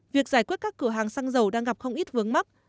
việc giải quyết các cửa hàng xăng dầu đang gặp không ít vướng mắt